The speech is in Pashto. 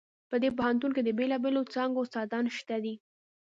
په دې پوهنتون کې د بیلابیلو څانګو استادان شته دي